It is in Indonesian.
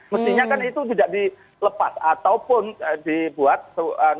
mestinya kan itu tidak dilepas ataupun dibuat dikejar yang berbunyi